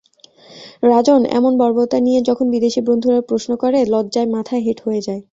রাজন, এমন বর্বরতা নিয়ে যখন বিদেশি বন্ধুরা প্রশ্ন করে, লজ্জায় মাথা হেঁট হয়ে যায়।